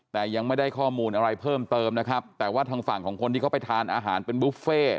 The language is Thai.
แต่ยังไม่ได้ข้อมูลอะไรเพิ่มเติมนะครับแต่ว่าทางฝั่งของคนที่เขาไปทานอาหารเป็นบุฟเฟ่